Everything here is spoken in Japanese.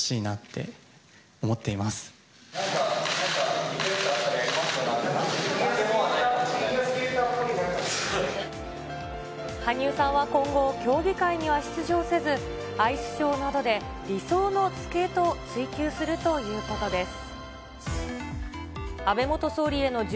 フィギュアスケーターっぽい羽生さんは今後、競技会には出場せず、アイスショーなどで理想のスケートを追求するということです。